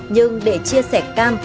nhưng để chia sẻ cam